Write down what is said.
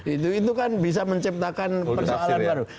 itu kan bisa menciptakan persoalan baru